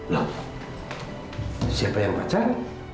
loh siapa yang pacar